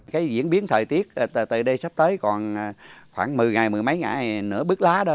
cái diễn biến thời tiết từ đây sắp tới còn khoảng một mươi ngày một mươi mấy ngày nửa bước lá đó